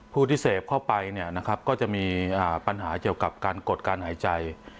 ผู้ที่เสพเข้าไปก็จะมีปัญหาเกี่ยวกับการกดการหายใจ